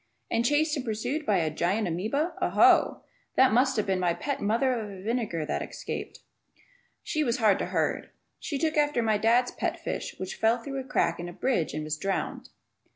And chased and pursued by a gigantic amoeba! Oh, oh! That must have been my pet mother of vinegar that escaped. She was hard to herd. She took after my dad's pet fish which fell through a crack in a bridge and was drowned.